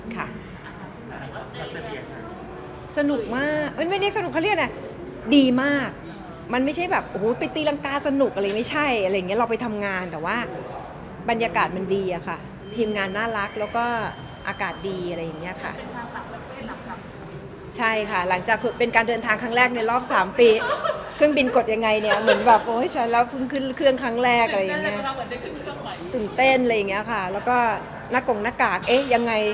ค่ะสนุกมากไม่ใช่สนุกเขาเรียกอะไรดีมากมันไม่ใช่แบบโอ้โหไปตีรังกาสนุกอะไรไม่ใช่อะไรอย่างเงี้ยเราไปทำงานแต่ว่าบรรยากาศมันดีอะค่ะทีมงานน่ารักแล้วก็อากาศดีอะไรอย่างเงี้ยค่ะใช่ค่ะหลังจากเป็นการเดินทางครั้งแรกในรอบสามปีเครื่องบินกดยังไงเนี้ยเหมือนแบบโอ้ยฉันแล้วเพิ่งขึ้นเครื่องครั้งแรกอะไรอย